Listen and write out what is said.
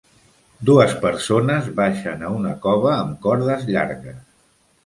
Dues persones baixen a una cova amb cordes llargues.